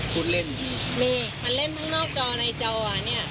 คุณเล่นมีมันเล่นทั้งนอกจอในจออ่ะเนี้ย